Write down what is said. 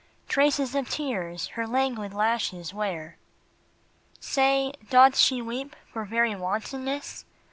Traces of tears her languid lashes wear. Say, doth she weep for very wantonness?